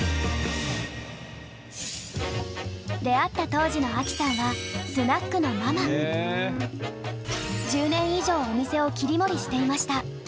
出会った当時のアキさんは１０年以上お店を切り盛りしていました。